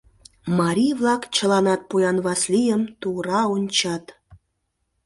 Марий-влак чыланат поян Васлийым ту-ура ончат.